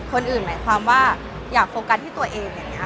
คนอื่นหมายความว่าอยากโฟกัสให้ตัวเอง